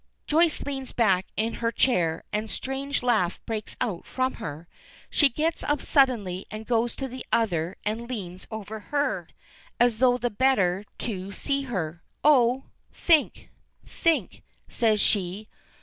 Joyce leans back in her chair, and a strange laugh breaks from her. She gets up suddenly and goes to the other and leans over her, as though the better to see her. "Oh, think think," says she.